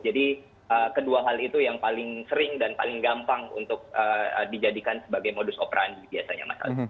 jadi kedua hal itu yang paling sering dan paling gampang untuk dijadikan sebagai modus operandi biasanya mas aldi